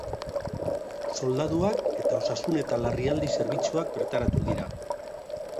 Soldaduak eta osasun eta larrialdi zerbitzuak bertaratu dira.